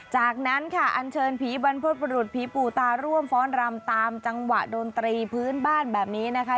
จากนั้นค่ะอันเชิญผีบรรพบรุษผีปู่ตาร่วมฟ้อนรำตามจังหวะดนตรีพื้นบ้านแบบนี้นะคะ